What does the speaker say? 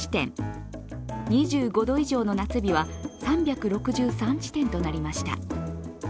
２５度以上の夏日は３６３地点となりました。